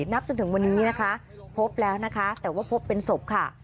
นับสมถึงวันนี้พบแล้วแต่พบเป็นศพค่ะ